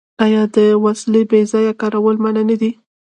آیا د وسلې بې ځایه کارول منع نه دي؟